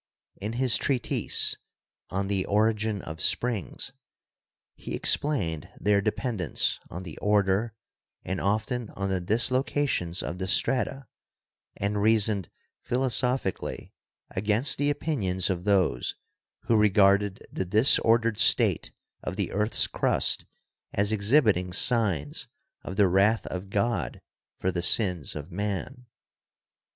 In his treatise "On the Origin of Springs," he explained their dependence on the order and often on the dislocations of the strata and rea soned philosophically against the opinions of those who regarded the disordered state of the earth's crust as ex hibiting signs of the wrath of God for the sins of man.